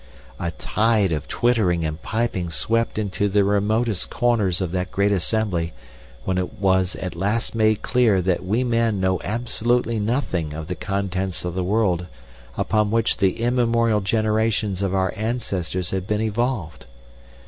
"A tide of twittering and piping swept into the remotest corners of that great assembly when it was at last made clear that we men know absolutely nothing of the contents of the world upon which the immemorial generations of our ancestors had been evolved.